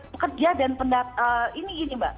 pekerja dan pendatang ini mbak